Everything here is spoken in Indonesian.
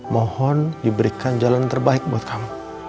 mohon diberikan jalan terbaik buat kamu